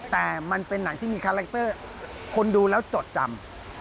แต่มันเป็นหนังที่มีคาแรคเตอร์คนดูแล้วจดจำ